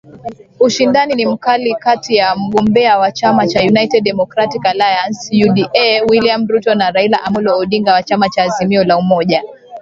Ushindani ni mkali kati ya mgombea wa chama cha United Democratic Alliance (UDA) William Ruto na Raila Amollo Odinga wa chama cha Azimio la Umoja